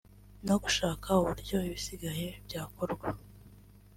no gushaka uburyo ibisigaye byakorwa